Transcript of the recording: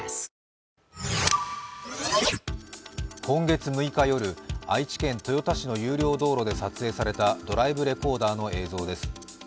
今月６日夜、愛知県豊田市の有料道路で撮影されたドライブレコーダーの映像です。